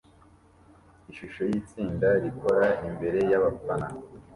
Ishusho yitsinda rikora imbere yabafana